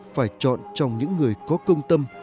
phải chọn trong những người có công tâm